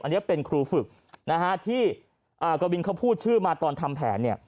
อันนี้เป็นครูฝึกที่กวินเขาพูดชื่อมาตอนทำแผน